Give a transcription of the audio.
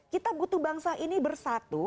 kita butuh bangsa ini bersatu